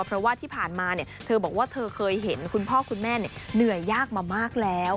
เพราะว่าที่ผ่านมาเธอบอกว่าเธอเคยเห็นคุณพ่อคุณแม่เหนื่อยยากมามากแล้ว